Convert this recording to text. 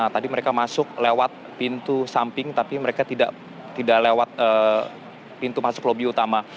tadi mereka masuk lewat pintu samping tapi mereka tidak lewat pintu masuk lobby utama